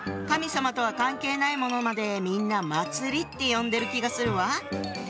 神様とは関係ないものまでみんな祭りって呼んでる気がするわ。